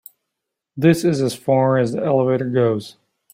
This is as far as the elevator goes.